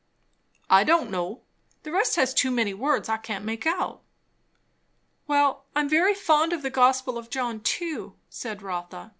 "I don' know. The rest has too many words I can't make out." "Well, I am very fond of the gospel of John too," said Rotha.